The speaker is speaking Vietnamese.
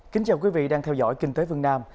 kính chào quý vị đang theo dõi kinh tế vương nam